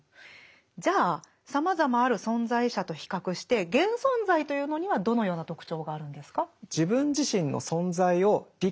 じゃあさまざまある存在者と比較して「現存在」というのにはどのような特徴があるんですか？